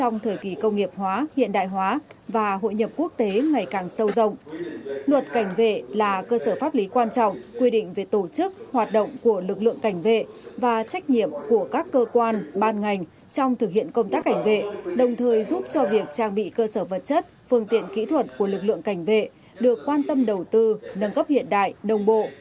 nội dung sửa đổi thuộc bốn nhóm chính sách gồm quy định về tổ chức hoạt động của lực lượng cảnh vệ và trách nhiệm của các cơ quan ban ngành trong thực hiện công tác cảnh vệ đồng thời giúp cho việc trang bị cơ sở vật chất phương tiện kỹ thuật của lực lượng cảnh vệ được quan tâm đầu tư nâng cấp hiện đại đồng bộ